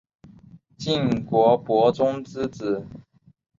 晋国伯宗之子。